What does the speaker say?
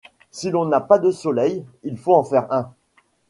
Si l’on n’a pas de soleil, il faut en faire un.